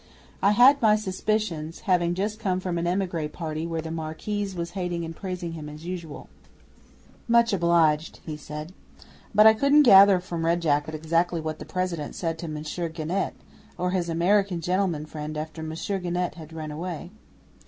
I had my suspicions, having just come from an emigre party where the Marquise was hating and praising him as usual. '"Much obliged," he said. "But I couldn't gather from Red Jacket exactly what the President said to Monsieur Genet, or to his American gentlemen after Monsieur Genet had ridden away."